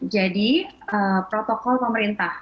jadi protokol pemerintah